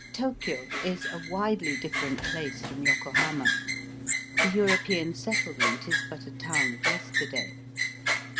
Tokio is a widely different place from Yoko hama. The European settlement is but a town of yesterday.